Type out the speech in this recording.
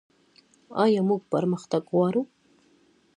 آیا موږ پرمختګ غواړو؟